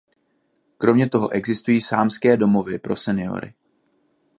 Kromě toho existují sámské domovy pro seniory.